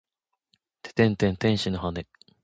ててんてん天使の羽！